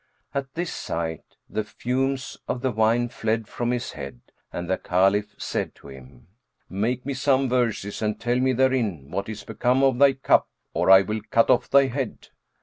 At this sight the fumes of the wine fled from his head and the Caliph said to him, "Make me some verses and tell me therein what is become of thy cup; or I will cut off thy head."